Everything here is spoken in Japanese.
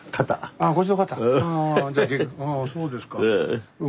あそうですか。